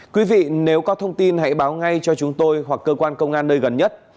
quý vị nếu có thông tin hãy báo ngay cho chúng tôi hoặc cơ quan công an nơi gần nhất